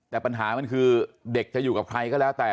แต่ปัญหามันคือเด็กจะอยู่กับใครก็แล้วแต่